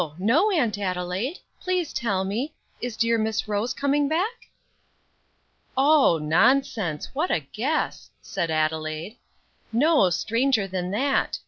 no, Aunt Adelaide; please tell me. Is dear Miss Rose coming back?" "O! nonsense; what a guess!" said Adelaide. "No, stranger than that.